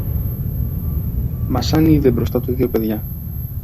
Μα σαν είδε μπροστά του δυο παιδιά